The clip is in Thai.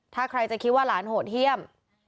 ถ้าใครจะคิดว่าหลานโหดเยี่ยม